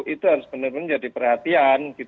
itu harus benar benar jadi perhatian